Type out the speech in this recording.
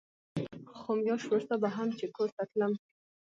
خو مياشت وروسته به هم چې کور ته تلم.